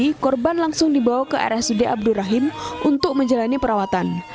lantaran langsung dibawa ke rsud abdurrahim untuk menjalani perawatan